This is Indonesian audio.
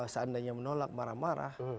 seandainya menolak marah marah